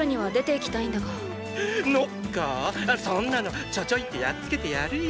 そんなのちょちょいってやっつけてやるよぉ！